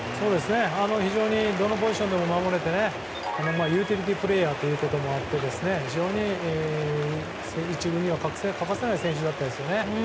非常にどのポジションでも守れるユーティリティープレーヤーということもあってチームには欠かせない選手でしたよね。